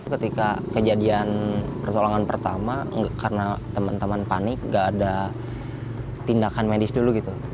ketika kejadian pertolongan pertama karena teman teman panik gak ada tindakan medis dulu gitu